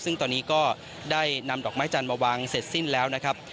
ซึ่งตอนนี้ก็ได้นำดอกไม้จันทร์มาวางเสร็จสิ้นแล้วนะครับ